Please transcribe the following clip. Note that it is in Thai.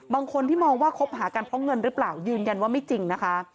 บางคนที่มองว่าคบหากันเพราะเงินหรือเปล่ายืนยันว่าไม่จริงนะคะ